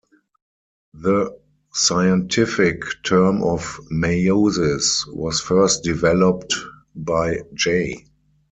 The scientific term of meiosis was first developed by J.